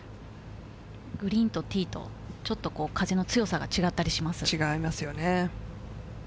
グリーンとティーと、ちょっと風の強さが違ったりします。